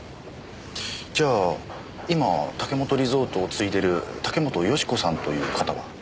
じゃあ今武本リゾートを継いでる武本喜子さんという方は？